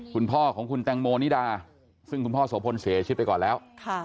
คุณพ่อของคุณแตงโมนิดาซึ่งคุณพ่อโสพลเสียชีวิตไปก่อนแล้ว